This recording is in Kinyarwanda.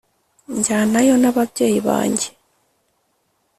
njyanayo n’ababyeyi banjye